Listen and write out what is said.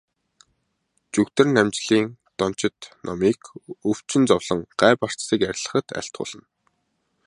Жүгдэрнамжилын дончид номыг өвчин зовлон, гай барцдыг арилгахад айлтгуулна.